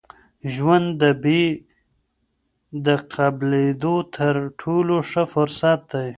ژوند د توبې د قبلېدو تر ټولو ښه فرصت دی.